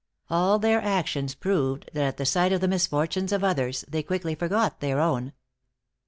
All their actions proved that at the sight of the misfortunes of others, they quickly forgot their own.